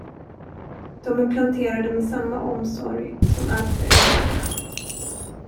De är planterade med samma omsorg som allt det övriga.